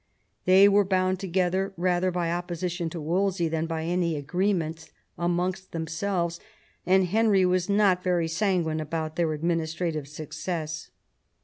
They were bound together rather by opposition to Wolsey than by any agreement amongst tiiems.elves ; and Henry was not very sanguine about their administrative success.